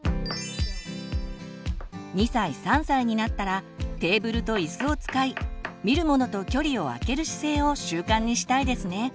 ２歳３歳になったらテーブルと椅子を使い見るものと距離をあける姿勢を習慣にしたいですね。